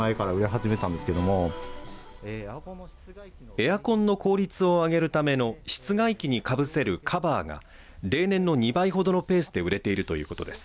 エアコンの効率を上げるための室外機にかぶせるカバーが例年の２倍ほどのペースで売れているということです。